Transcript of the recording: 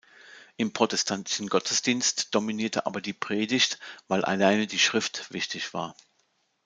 Im protestantischen Gottesdienst dominierte aber die Predigt, weil "allein die Schrift" wichtig war.